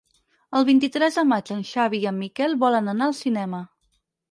El vint-i-tres de maig en Xavi i en Miquel volen anar al cinema.